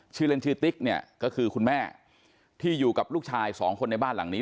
ชื่อเล่นชื่อติ๊กเนี่ยก็คือคุณแม่ที่อยู่กับลูกชายสองคนในบ้านหลังนี้